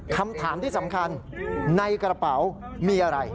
คำถามที่สำคัญในกระเป๋ามีอะไร